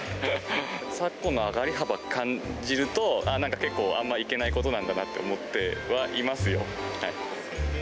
昨今の上がり幅感じると、なんか結構、あんまいけないことだなと思ってはいますよ。